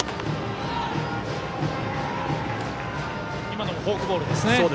今のもフォークボールですね。